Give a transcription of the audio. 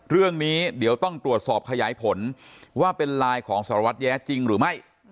เรื่องนี้เดี๋ยวต้องตรวจสอบขยายผลว่าเป็นไลน์ของสารวัตรแย้จริงหรือไม่